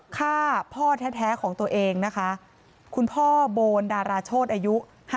ฆ่าพ่อแท้ของตัวเองนะคะคุณพ่อโบนดาราโชธอายุ๕๐